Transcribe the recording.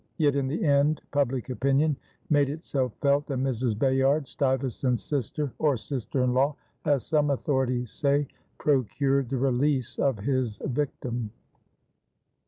Yet in the end public opinion made itself felt and Mrs. Bayard, Stuyvesant's sister (or sister in law, as some authorities say) procured the release of his victim.